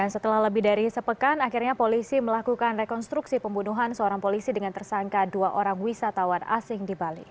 setelah lebih dari sepekan akhirnya polisi melakukan rekonstruksi pembunuhan seorang polisi dengan tersangka dua orang wisatawan asing di bali